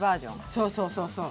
そうそうそうそう。